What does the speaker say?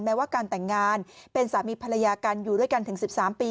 แม้ว่าการแต่งงานเป็นสามีภรรยากันอยู่ด้วยกันถึง๑๓ปี